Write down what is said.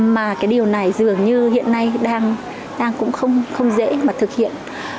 mà cái điều này dường như hiện nay đang cũng không dễ mà thực hiện